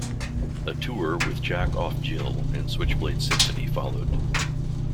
A tour with Jack Off Jill and Switchblade Symphony followed.